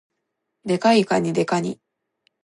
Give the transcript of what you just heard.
デカいかに、デカニ